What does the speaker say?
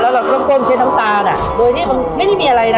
เราก็ก้มเช็ดน้ำตาลอ่ะโดยที่มันไม่ได้มีอะไรนะ